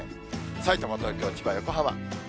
さいたま、東京、千葉、横浜。